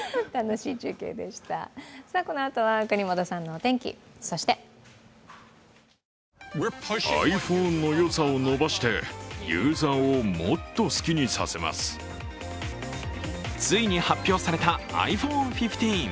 このあとは國本さんのお天気、そしてついに発表されたｉＰｈｏｎｅ１５。